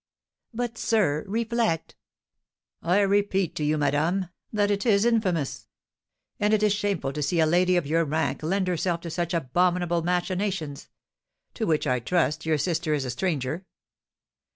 "But, sir, reflect " "I repeat to you, madame, that it is infamous! And it is shameful to see a lady of your rank lend herself to such abominable machinations, to which, I trust, your sister is a stranger."